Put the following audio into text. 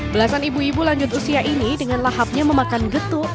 belasan ibu ibu lanjut usia ini dengan lahapnya memakan getuk